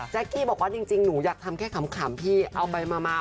กี้บอกว่าจริงหนูอยากทำแค่ขำพี่เอาไปมา